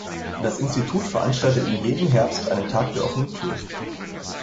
Das Institut veranstaltet in jedem Herbst einen Tag der offenen Tür.